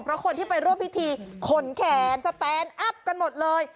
เพราะคนที่ไปร่วมพิธีขนแขนสแตนอัพกันหมดเลย